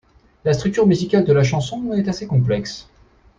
La structure musicale de la chanson est assez complexe.